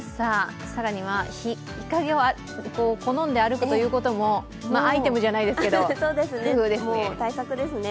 更には日陰を好んで歩くということもアイテムじゃないですけど、工夫ですね。